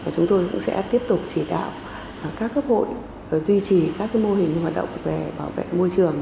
chúng tôi cũng sẽ tiếp tục chỉ đạo các cấp hội duy trì các mô hình hoạt động về bảo vệ môi trường